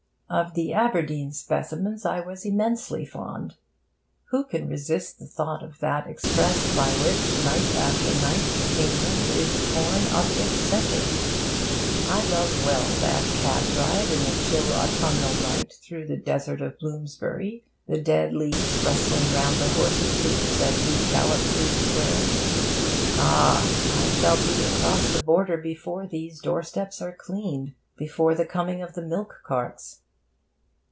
Of the Aberdeen specimens I was immensely fond. Who can resist the thought of that express by which, night after night, England is torn up its centre? I love well that cab drive in the chill autumnal night through the desert of Bloomsbury, the dead leaves rustling round the horse's hoofs as we gallop through the Squares. Ah, I shall be across the Border before these doorsteps are cleaned, before the coming of the milk carts.